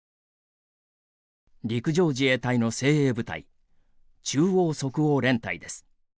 陸上自衛隊の精鋭部隊中央即応連隊です。